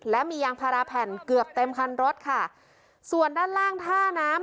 และมียางพาราแผ่นเกือบเต็มคันรถค่ะส่วนด้านล่างท่าน้ำ